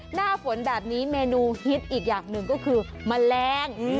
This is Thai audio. หน้าฝนแบบนี้เมนูฮิตอีกอย่างหนึ่งก็คือแมลง